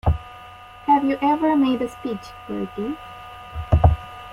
Have you ever made a speech, Bertie?